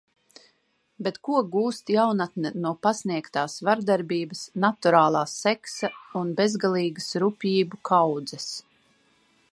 Bet ko gūst jaunatne no pasniegtās vardarbības, naturālā seksa un bezgalīgas rupjību kaudzes?